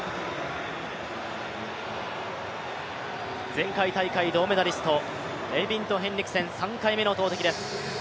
前回大会銅メダリスト、エイビンド・ヘンリクセン、３回目の投てきです。